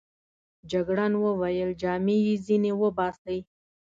جګړن وویل: جامې يې ځینې وباسئ.